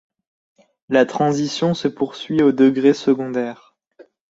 La transition se poursuit au degré secondaire.